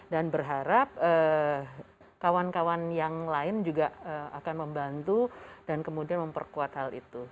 dan berharap kawan kawan yang lain juga akan membantu dan kemudian memperkuat hal itu